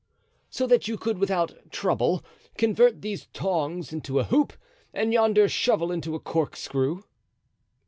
"So that you could without trouble convert these tongs into a hoop and yonder shovel into a corkscrew?"